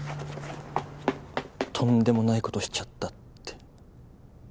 とんでもないことしちゃったって。